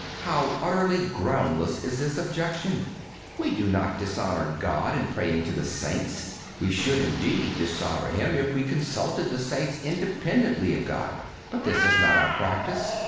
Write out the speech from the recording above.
How utterly groundless is this objection! We do not dishonor God in praying to the saints. We should, indeed, dishonor Him if we consulted the saints independently of God. But such is not our practice.